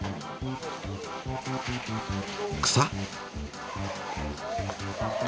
草？